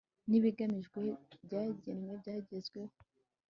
n ibigamijwe byagenwe byagezweho